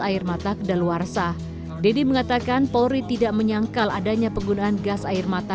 air mata kedaluarsa deddy mengatakan polri tidak menyangkal adanya penggunaan gas air mata